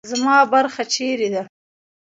زما برخه چیرې ده؟